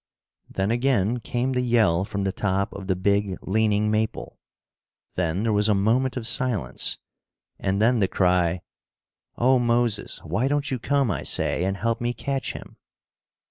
Then again came the yell from the top of the big leaning maple. Then there was a moment of silence, and then the cry: "Oh, Moses! Why don't you come, I say, and help me catch him?"